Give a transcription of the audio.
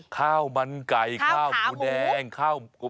ข้าวมันไก่ข้าวหมูแดงข้าว